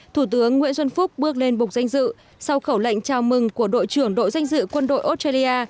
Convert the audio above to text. thủ tướng nguyễn xuân phúc bước lên bục danh dự sau khẩu lệnh chào mừng của đội trưởng đội danh dự quân đội australia